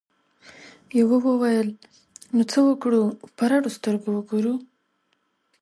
یوه وویل نو څه وکړو په رډو سترګو وګورو؟